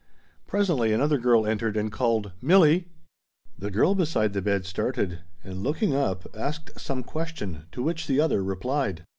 Presently another girl entered and called, "Milli!" The girl beside the bed started, and looking up asked some question, to which the other replied.